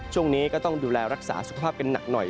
ช่วงนี้ก็ต้องดูแลรักษาสุขภาพกันหนักหน่อย